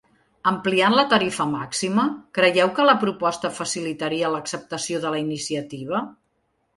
Ampliant la tarifa màxima, creieu que la proposta facilitaria l’acceptació de la iniciativa?